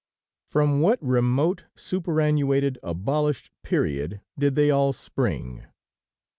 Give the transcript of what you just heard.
From what remote superannuated, abolished period did they all spring?